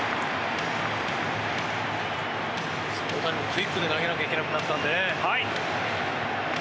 大谷もクイックで投げなきゃいけなくなったんでね。